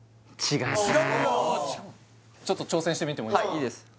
違うんだ挑戦してみてもいいですか？